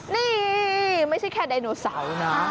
นี่ไม่ใช่แค่ไดโนเสาร์นะ